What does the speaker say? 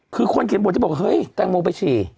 คือคนเขียนบทที่บอกเฮ้ยแตงโมไปฉี่